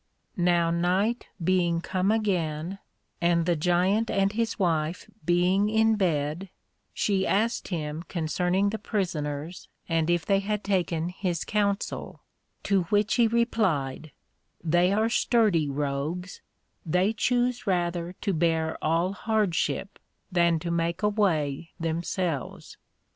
Now night being come again, and the Giant and his Wife being in bed, she asked him concerning the Prisoners, and if they had taken his counsel: To which he replied, They are sturdy Rogues, they chuse rather to bear all hardship, than to make away themselves.